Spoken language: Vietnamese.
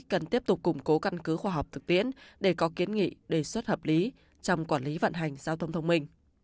cần tiếp tục củng cố căn cứ khoa học thực tiễn để có kiến nghị đề xuất hợp lý trong quản lý vận hành giao thông thông minh